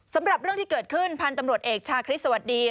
สำหรับเรื่องที่เกิดขึ้นพันธุ์ตำรวจเอกชาคริสต์สวัสดี